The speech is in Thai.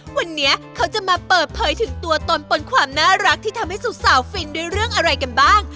วันนี้เขาจะมาเปิดเผยถึงตัวตนปนความน่ารักที่ทำให้สาวฟินด้วยเรื่องอะไรกันบ้าง